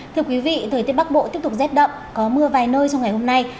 thưa quý vị thời tiết bắc bộ tiếp tục rét đậm có mưa vài nơi trong ngày hôm nay